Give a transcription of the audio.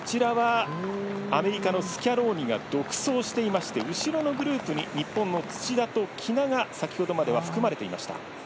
アメリカのスキャローニが独走していまして後ろのグループに日本の土田と喜納が先ほどまでは含まれていました。